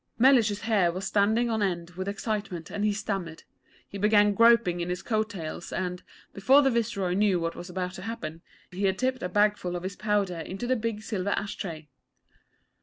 Mellish's hair was standing on end with excitement, and he stammered. He began groping in his coat tails and, before the Viceroy knew what was about to happen, he had tipped a bagful of his powder into the big silver ash tray.